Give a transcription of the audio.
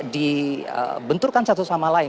dibenturkan satu sama lain